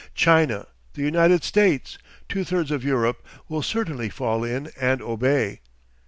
China, the United States, two thirds of Europe, will certainly fall in and obey.